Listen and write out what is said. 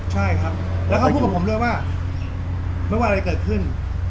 ใช่ครับแล้วเขาพูดกับผมด้วยว่าไม่ว่าอะไรเกิดขึ้น